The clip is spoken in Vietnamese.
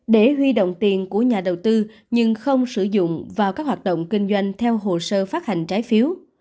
để huy động tiền của nhà đầu tư nhưng không sử dụng vào các hoạt động kinh doanh theo hồ sơ phát hành trái phiếu